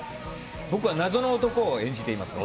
僕は謎の男を演じています。